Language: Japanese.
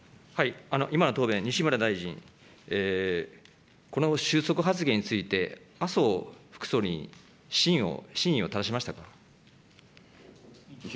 今の答弁、西村大臣、この収束発言について、麻生副総理に真意をただしましたか。